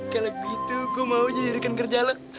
kalau gitu gue mau jadi kerja lo